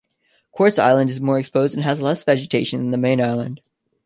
Quartz Island is more exposed and has less vegetation than the main island.